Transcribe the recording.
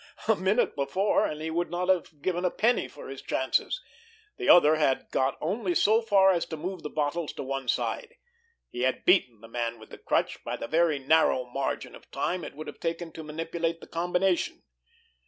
A minute before and he would not have given a penny for his chances! The other had got only so far as to move the bottles to one side. He had beaten the Man with the Crutch by the very narrow margin of time it would have taken to manipulate the combination!